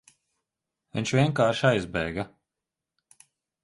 Viņš vienkārši aizbēga.